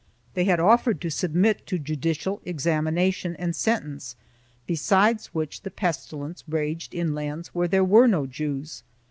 They had offered to submit to judicial exam ination and sentence, besides which the pestilence raged in lands where there were no Jews.